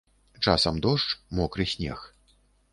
Часам дождж, мокры снег.